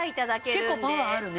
結構パワーあるね。